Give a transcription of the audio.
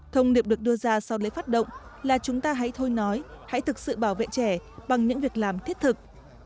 thông điệp được đưa ra sau lễ phát động là chúng ta hãy thôi nói hãy thực sự bảo vệ trẻ bằng những việc làm thiết thực